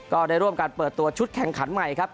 ก็ได้ร่วมการเปิดตัวชุดแข่งขันใหม่ครับ